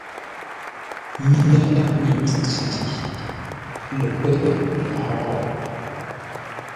Məndə̂ mi mpfu ntsəmbi lə́ pə́ lə̂ hó?